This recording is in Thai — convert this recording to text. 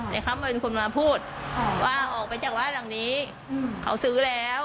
แต่เขาเป็นคนมาพูดว่าออกไปจากบ้านหลังนี้เขาซื้อแล้ว